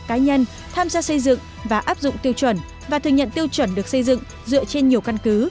cá nhân tham gia xây dựng và áp dụng tiêu chuẩn và thừa nhận tiêu chuẩn được xây dựng dựa trên nhiều căn cứ